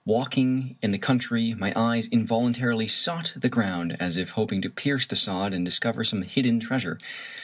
Walking in the country my eyes involuntarily sought the ground, as if hoping to pierce the sod and discover some hidden treasure.